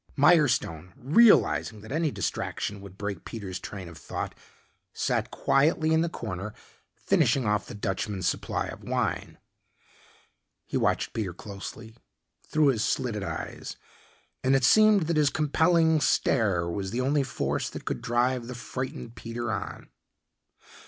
Mirestone, realizing that any distraction would break Peter's train of thought, sat quietly in the corner finishing off the Dutchman's supply of wine. He watched Peter closely through his slitted eyes, and it seemed that his compelling stare was the only force that could drive the frightened Peter on.